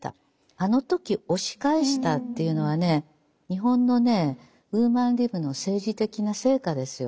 あの時押し返したというのはね日本のねウーマン・リブの政治的な成果ですよ。